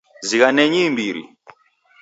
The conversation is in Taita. Zighanenyi imbiri.